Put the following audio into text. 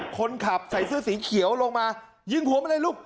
คนขับใส่เสื้อสีเขียวลงมายิงหัวมาเลยลูก